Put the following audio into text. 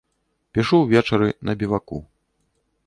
Пішу ўвечары на біваку.